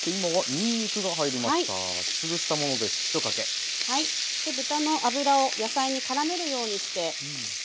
で豚の脂を野菜にからめるようにして炒めて下さい。